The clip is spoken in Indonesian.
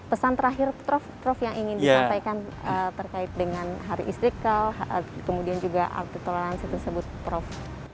pesan terakhir prof yang ingin disampaikan terkait dengan hari istiqlal kemudian juga arti toleransi tersebut prof